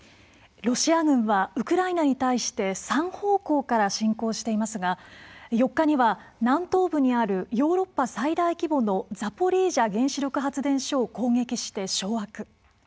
ロシア軍はウクライナに対して３方向から侵攻していますが４日には南東部にあるヨーロッパ最大規模のザポリージャ原子力発電所を攻撃して掌握。